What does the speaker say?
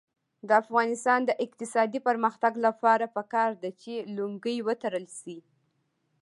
د افغانستان د اقتصادي پرمختګ لپاره پکار ده چې لونګۍ وتړل شي.